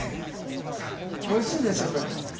おいしいですよこれ。